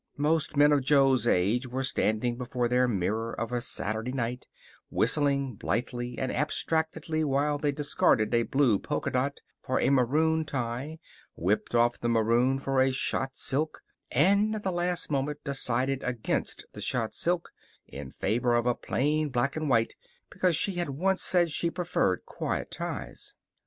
Most men of Jo's age were standing before their mirror of a Saturday night, whistling blithely and abstractedly while they discarded a blue polka dot for a maroon tie, whipped off the maroon for a shot silk and at the last moment decided against the shot silk in favor of a plain black and white because she had once said she preferred quiet ties.